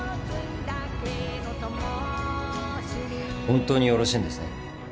本当によろしいんですね？